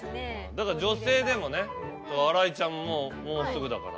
だから女性でもね新井ちゃんももうすぐだから。